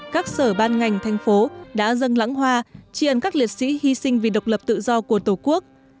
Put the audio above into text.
các sở ban ngành thành phố đã dâng lãng hoa tri ân các liệt sĩ hy sinh vì độc lập tự do của tổ quốc